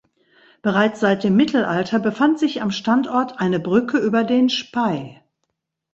Bereits seit dem Mittelalter befand sich am Standort eine Brücke über den Spey.